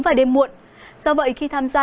và đêm muộn do vậy khi tham gia